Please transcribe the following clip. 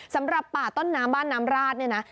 สำหรับป่าต้นน้ำบ้านน้ำราดเนี่ยนะ